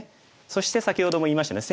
そして先ほども言いましたね。